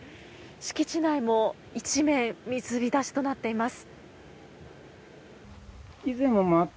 敷地内も一面水浸しとなっています。